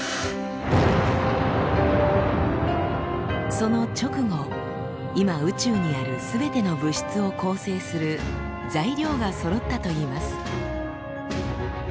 その直後今宇宙にあるすべての物質を構成する「材料」がそろったといいます。